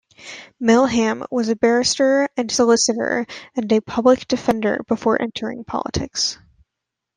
Melham was a barrister and solicitor and a public defender before entering politics.